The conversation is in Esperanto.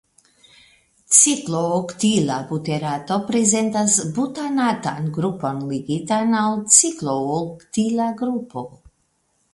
Ciklooktila buterato prezentas butanatan grupon ligitan al ciklooktila grupo.